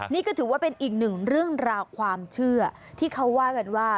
นี่ก็ถือว่าเป็นอีกหนึ่งเรื่องราวความเชื่อที่เขาว่ากันว่า